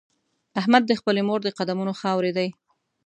احمد د خپلې مور د قدمونو خاورې دی.